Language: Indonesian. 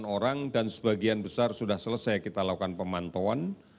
satu empat ratus empat puluh sembilan orang dan sebagian besar sudah selesai kita lakukan pemantauan